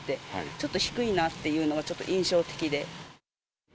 ちょっと低いなっていうのがちょっと印象的で。